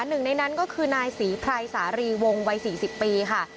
หนึ่งในนั้นก็คือนายศรีไพรสารีวงวัย๔๐ปีค่ะ